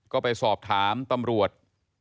ก็ไปสอบถามตำรวจ